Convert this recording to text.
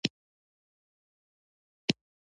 نيکه وخندل: